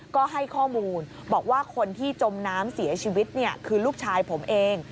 ก็ให้ข้อมูลบอกว่าคนที่จมน้ำเสียชีวิตคือลูกชายผมเอง